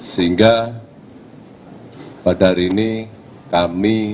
sehingga pada hari ini kami